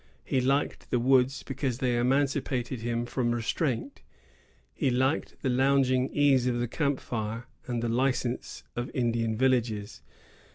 He liked the woods because they emancipated him from restraint. He liked the lounging ease of the camp fire, and the license of Indian villages.